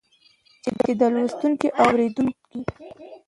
چې د لوستونکي او اورېدونکي